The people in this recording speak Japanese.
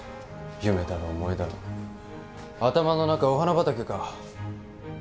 夢だの思いだの頭の中お花畑か。